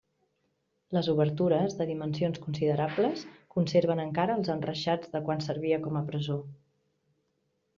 Les obertures, de dimensions considerables, conserven encara els enreixats de quan servia com a presó.